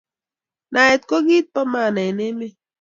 Naet ko kit po maana eng emet